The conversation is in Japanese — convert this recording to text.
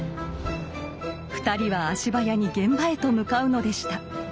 ２人は足早に現場へと向かうのでした。